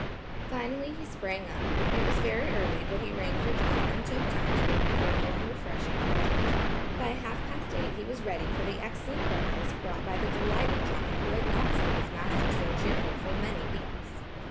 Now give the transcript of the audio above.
Finally he sprang up. It was very early but he rang for John, and took time to make a careful and refreshing toilet. By half past eight he was ready for the excellent breakfast brought by the delighted John who had not seen his master so cheerful for many weeks.